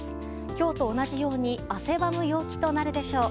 今日と同じように汗ばむ陽気となるでしょう。